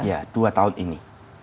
iya dua tahun ini